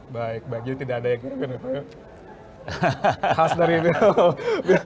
baik baik jadi tidak ada yang